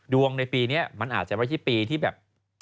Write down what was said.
ดวงในปีนี้มันอาจจะให้ที่ปีที่แบบ